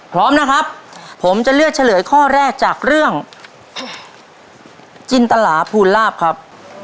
พร้อมนะครับผมจะเลือกเฉลยข้อแรกจากเรื่องจินตลาภูลาภครับ